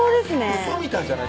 ウソみたいじゃない？